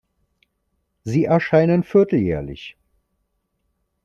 Sie erscheinen vierteljährlich.